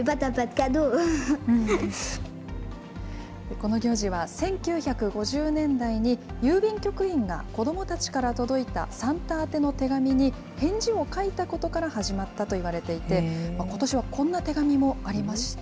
この行事は１９５０年代に、郵便局員が子どもたちから届いたサンタ宛ての手紙に返事を書いたことから始まったといわれていて、ことしはこんな手紙もありました。